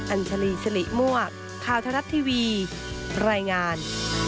อัญชลีสิริมวะพาวทะลัดทีวีรายงาน